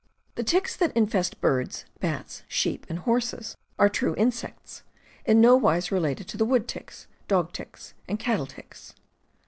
The ticks that infest birds, bats, sheep, and horses, are true insects, in no wise related to the wood ticks, dog ticks, and cattle ticks.